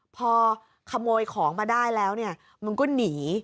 พอขโมยของมาได้แล้วเนี่ยมันก็หนี